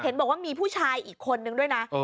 บอกว่ามีผู้ชายอีกคนนึงด้วยนะ